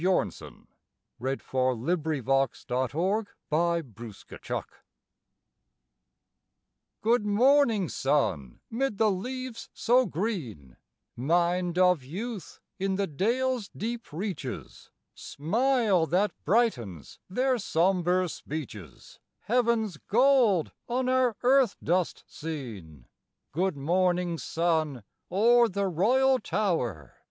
THE MAIDENS' SONG (FROM HALTE HULDA) Good morning, sun, 'mid the leaves so green Mind of youth in the dales' deep reaches, Smile that brightens their somber speeches, Heaven's gold on our earth dust seen! Good morning, sun, o'er the royal tower!